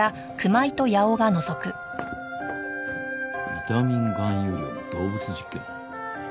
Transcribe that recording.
ビタミン含有量の動物実験？